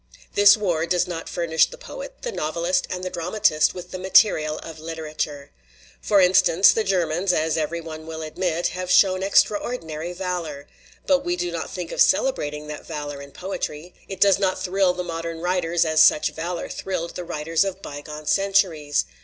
"This war does not furnish the poet, the novelist, and the dramatist with the material of literature. For instance, the Germans, as every one will admit, have shown extraordinary valor. But we do not think of celebrating that valor in poetry; it does not thrill the modern writers as such valor thrilled the writers of bygone centu ries.